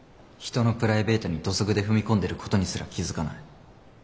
人のプライベートに土足で踏み込んでることにすら気付かない。